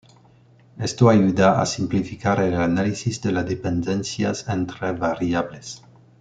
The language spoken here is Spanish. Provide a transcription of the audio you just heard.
Esto ayuda a simplificar el análisis de las dependencias entre variables.